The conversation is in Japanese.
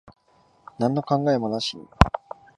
なんの考えもなしに。